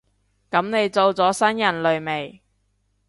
噉你做咗新人類未？